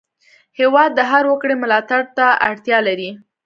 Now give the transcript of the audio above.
هېواد د هر وګړي ملاتړ ته اړتیا لري.